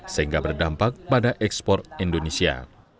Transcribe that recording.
sehingga berdampak pada ekspor indonesia